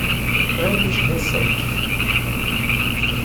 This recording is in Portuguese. Anos recentes